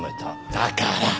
だから。